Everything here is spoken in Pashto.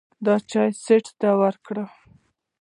د چاے ست يې راته وکړو